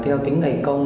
theo tính ngày công